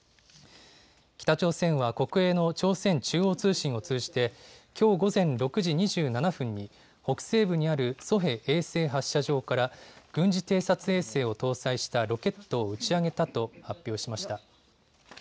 北朝鮮は国営の朝鮮中央通信を通じて、きょう午前６時２７分に、北西部にあるソヘ衛星発射場から軍事偵察衛星を搭載したロケットを打ち上げたと発表しました。